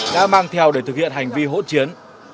đã mang theo để thực hiện hành vi hỗn chiến